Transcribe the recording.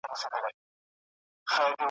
بس مرور له سولي ښه یو پخلا نه سمیږو `